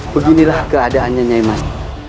beginilah keadaannya nyayman